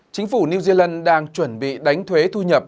chính phủ new zealand đang chuẩn bị đánh thuế thu nhập